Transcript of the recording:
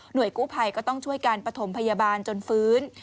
โดยกู้ภัยก็ต้องช่วยการปฐมพยาบาลจนฟื้น